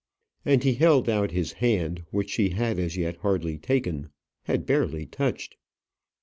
And he held out his hand, which she had as yet hardly taken had barely touched.